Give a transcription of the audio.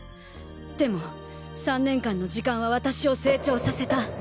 でも３年間の時間は私を成長させた。